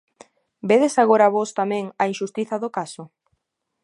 Vedes agora vós tamén a inxustiza do caso?